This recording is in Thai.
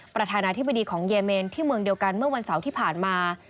ประธานาธิบดีของเยเมนที่เมืองเดียวกันเมื่อวันเสาร์ที่ผ่านมา